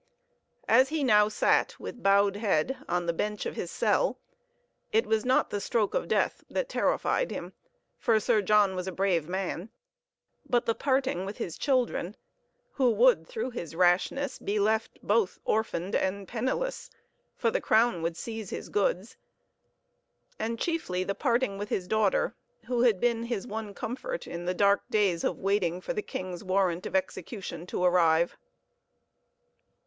As he now sat, with bowed head, on the bench of his cell, it was not the stroke of death that terrified him for Sir John was a brave man but the parting with his children, who would through his rashness be left both orphaned and penniless (for the crown would seize his goods), and chiefly the parting with his daughter, who had been his one comfort in the dark days of waiting for the king's warrant of execution to arrive.